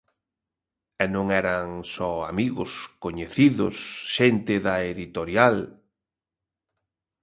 E non eran só amigos, coñecidos, xente da editorial...